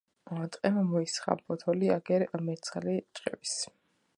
ტყემ მოისხა ფოთოლი აგერ მერცხალი ჭყივის